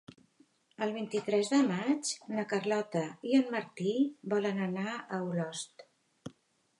El vint-i-tres de maig na Carlota i en Martí volen anar a Olost.